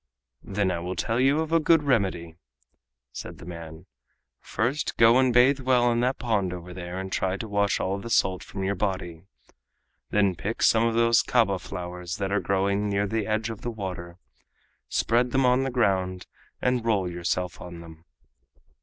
"Then I will tell you of a good remedy," said the man. "First go and bathe well in that pond over there and try to wash all the salt from your body. Then pick some of those kaba flowers that are growing near the edge of the water, spread them on the ground and roll yourself on them.